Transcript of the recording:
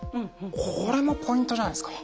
これもポイントじゃないですか？